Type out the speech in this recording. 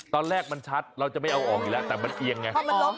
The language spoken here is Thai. ตอนแรกมันชัดเราจะไม่เอาออกอีกแล้วแต่มันเอียงไง